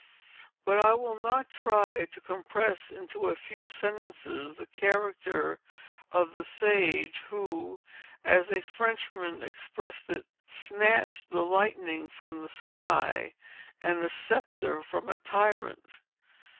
But I will not try to compress, into a few sentences, the character of the sage, who, as a Frenchman expressed it, snatched the lightning from the sky, and the sceptre from a tyrant.